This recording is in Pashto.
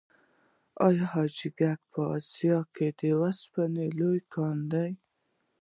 آیا حاجي ګک په اسیا کې د وسپنې لوی کان دی؟